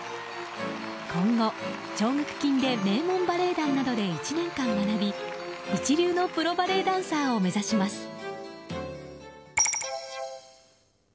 今後、奨学金で名門バレエ団などで１年間学び一流のプロバレエダンサーを目指します。